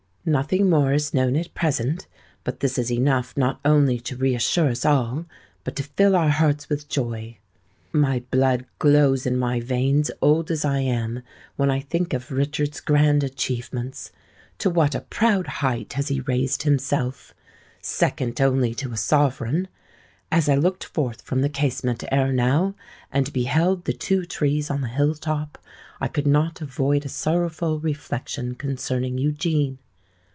"Nothing more is known at present; but this is enough not only to reassure us all—but to fill our hearts with joy. My blood glows in my veins, old as I am, when I think of Richard's grand achievements. To what a proud height has he raised himself—second only to a sovereign! As I looked forth from the casement ere now, and beheld the two trees on the hill top, I could not avoid a sorrowful reflection concerning Eugene.